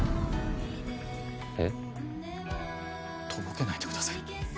えっ？とぼけないでください。